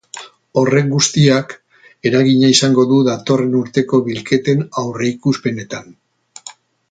Horrek guztiak eragina izango du datorren urteko bilketen aurreikuspenetan.